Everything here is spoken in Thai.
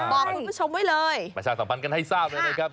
บอกคุณผู้ชมไว้เลยประชาสัมพันธ์กันให้ทราบเลยนะครับ